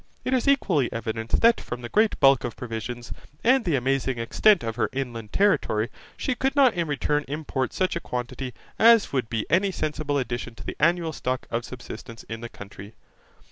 It is equally evident that from the great bulk of provisions and the amazing extent of her inland territory she could not in return import such a quantity as would be any sensible addition to the annual stock of subsistence in the country.